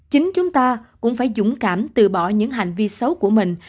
chính chúng ta cũng phải dũng cảm từ bỏ những hành vi xấu của mình